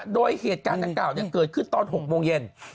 โดยเหตุการณ์เก่าเนี่ยเกิดขึ้นตอน๖โมงเย็น